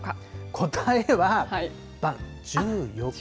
答えは、ばん、１４日。